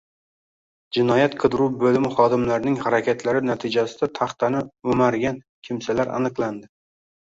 Jinoyat-qidiruv boʻlimi xodimlarining harakatlari natijasida taxtani oʻmargan kimsalar aniqlandi.